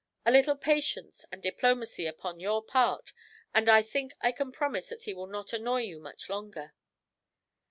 'A little patience and diplomacy upon your part, and I think I can promise that he will not annoy you much longer.'